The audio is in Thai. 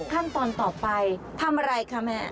ขั้นตอนต่อไปทำอะไรคะแม่